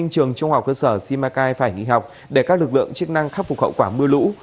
trường trung học cơ sở simacai phải nghỉ học để các lực lượng chức năng khắc phục hậu quả mưa lũ